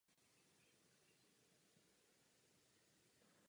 Sjednocená Evropa si nemůže dovolit další zpoždění a nedbalost.